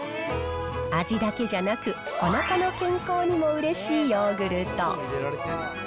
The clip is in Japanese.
味だけじゃなく、おなかの健康にもうれしいヨーグルト。